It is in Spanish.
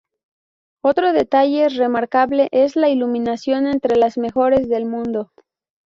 Otro detalle remarcable es la iluminación, entre las mejores del mundo.